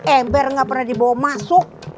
ember nggak pernah dibawa masuk